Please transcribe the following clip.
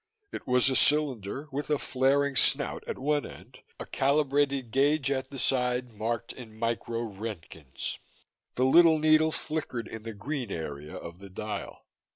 It was a cylinder with a flaring snout at one end, a calibrated gauge at the side, marked in micro roentgens. The little needle flickered in the green area of the dial.